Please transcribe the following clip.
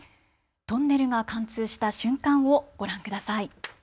トンネルが貫通した瞬間をご覧ください。